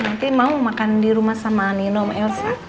nanti mau makan di rumah sama nino elsa